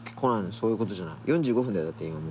そういうことじゃないの？